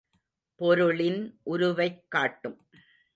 பொருளின் உருவைக் காட்டும்.